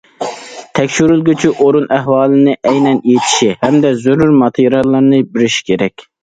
تەكشۈرۈلگۈچى ئورۇن ئەھۋالنى ئەينەن ئېيتىشى ھەمدە زۆرۈر ماتېرىياللارنى بېرىشى كېرەك.